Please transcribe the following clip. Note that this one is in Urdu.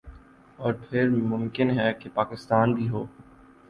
اور پھر ممکن ہے کہ پاکستان بھی ہو